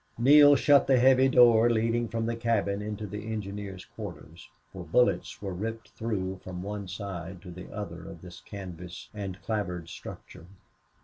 Neale shut the heavy door leading from the cabin into the engineers' quarters, for bullets were ripped through from one side to the other of this canvas and clapboard structure.